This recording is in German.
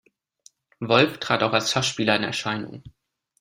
Wolff trat auch als Schachspieler in Erscheinung.